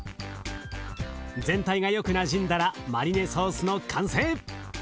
全体がよくなじんだらマリネソースの完成！